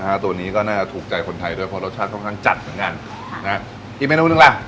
ตัวนี้ก็น่าจะถูกใจคนไทยด้วยเพราะรสชาติค่อนข้างจัดเหมือนกันนะอีกเมนูหนึ่งล่ะ